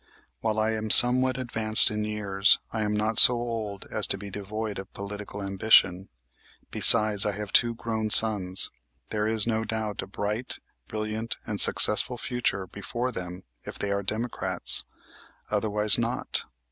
While I am somewhat advanced in years, I am not so old as to be devoid of political ambition. Besides I have two grown sons. There is, no doubt, a bright, brilliant and successful future before them if they are Democrats; otherwise, not.